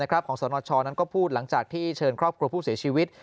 ของสนชนั้นก็พูดหลังจากที่เชิญครอบครัวผู้เสียชีวิต